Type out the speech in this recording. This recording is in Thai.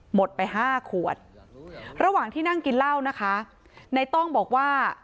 หมดไปห้าขวดระหว่างที่นั่งกินเหล้านะคะในต้องบอกว่า